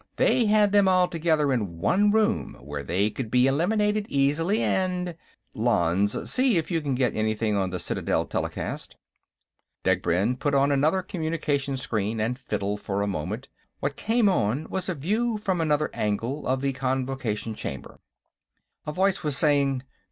They had them all together in one room, where they could be eliminated easily, and ... Lanze; see if you can get anything on the Citadel telecast." Degbrend put on another communication screen and fiddled for a moment. What came on was a view, from another angle, of the Convocation Chamber. A voice was saying